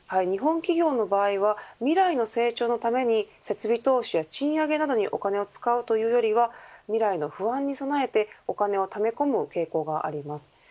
日本企業の場合は未来の成長のために設備投資や賃上げなどにお金を使うというよりは未来の不安に備えてお金をため込む傾向があります。